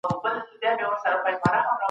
په داستان کي باید د حقایقو پلټنه وسي.